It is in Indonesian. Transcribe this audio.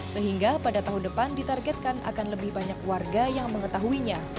sehingga pada tahun depan ditargetkan akan lebih banyak warga yang mengetahuinya